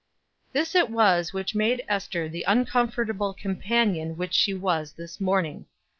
This it was which made Ester the uncomfortable companion which she was this morning.